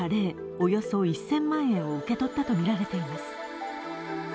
およそ１０００万円を受け取ったとみられています。